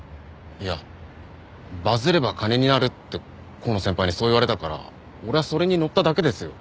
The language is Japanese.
いやバズれば金になるって香野先輩にそう言われたから俺はそれにのっただけですよ。